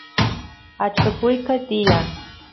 acha kuyqa tiyan